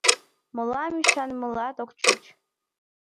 — Мылам ӱшанымылат ок чуч...